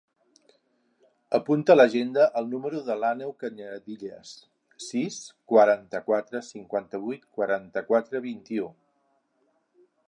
Apunta a l'agenda el número de l'Àneu Cañadillas: sis, quaranta-quatre, cinquanta-vuit, quaranta-quatre, vint-i-u.